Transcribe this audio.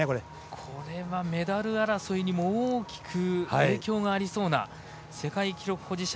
これはメダル争いにも大きく影響がありそうな世界記録保持者